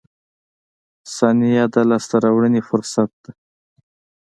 • ثانیه د لاسته راوړنې فرصت ده.